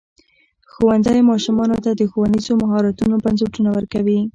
ښوونځی ماشومانو ته د ښوونیزو مهارتونو بنسټونه ورکوي.